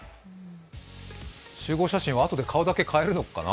集合写真はあとで顔だけ変えるのかな？